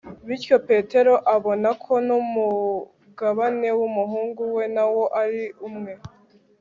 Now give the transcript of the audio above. bityo petero abona ko n'umugabane w'umuhungu we nawo ari uwe